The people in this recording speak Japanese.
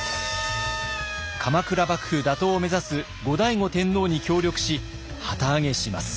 鎌倉幕府打倒を目指す後醍醐天皇に協力し旗揚げします。